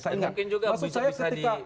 saya ingat maksud saya ketika